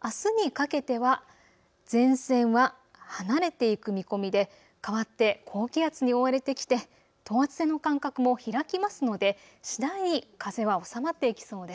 あすにかけては前線は離れていく見込みでかわって高気圧に覆われてきて等圧線の間隔も開きますので次第に風は収まっていきそうです。